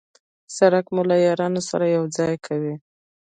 سړک مو له یارانو سره یو ځای کوي.